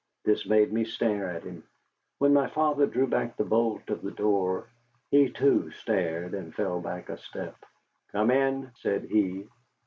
This made me stare at him. When my father drew back the bolt of the door he, too, stared and fell back a step. "Come in," said he.